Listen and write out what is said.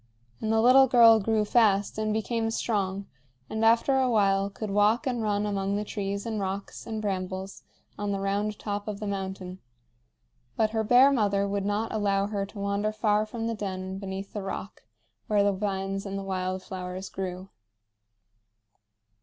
And the little girl grew fast and became strong, and after a while could walk and run among the trees and rocks and brambles on the round top of the mountain; but her bear mother would not allow her to wander far from the den beneath the rock where the vines and the wild flowers grew.